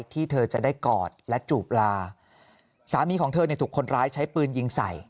ที่เธอจะได้กอดและจูบลาสามีของเธอเนี่ยถูกคนร้ายใช้ปืนยิงใส่